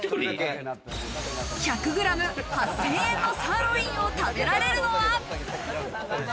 １００ｇ８０００円のサーロインを食べられるのは？